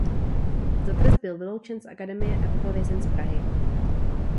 Za trest byl vyloučen z Akademie a vypovězen z Prahy.